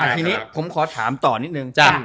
ทีนี้ผมขอถามต่อนิดนึงจ้ะ